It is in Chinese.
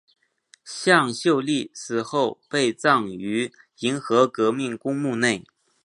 向秀丽死后被葬于银河革命公墓内。